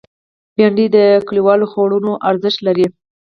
بېنډۍ د کلیوالو خوړونو ارزښت لري